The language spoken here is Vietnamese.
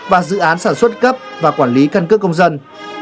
và dự án sản xuất cấp và quản lý căn cước công dân